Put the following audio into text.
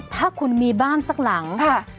ถ้าคุณมีบ้านสักหลัง